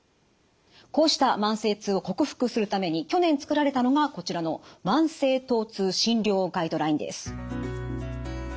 こうした慢性痛を克服するために去年作られたのがこちらの「慢性疼痛診療ガイドライン」です。